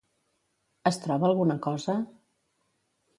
Es troba alguna cosa?